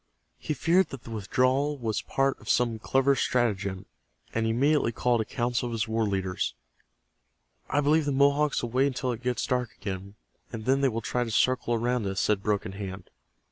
He feared that the withdrawal was part of some clever stratagem, and he immediately called a council of his war leaders. "I believe the Mohawks will wait until it gets dark again, and then they will try to circle around us," said Broken Hand.